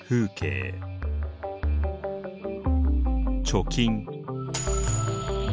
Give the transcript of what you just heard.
貯金。